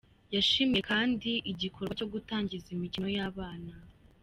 Yashimiye kandi iigikorwa cyo gutangiza imikino y’ abana.